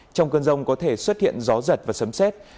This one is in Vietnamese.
trong cơn rông có thể xuất hiện gió giật và sấm xét